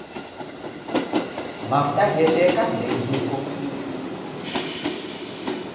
Mavuda ghedeka ndeghiko